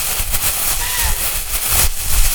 شست